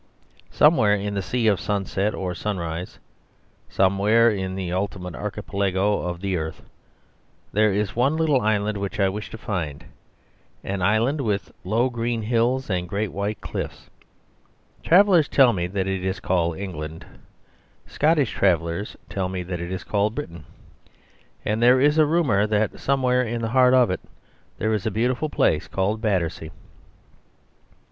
Somewhere in the seas of sunset or of sunrise, somewhere in the ultimate archipelago of the earth, there is one little island which I wish to find: an island with low green hills and great white cliffs. Travellers tell me that it is called England (Scotch travellers tell me that it is called Britain), and there is a rumour that somewhere in the heart of it there is a beautiful place called Battersea."